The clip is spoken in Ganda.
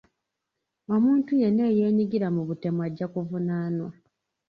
Omuntu yenna eyenyigira mu butemu ajja kuvunaanwa.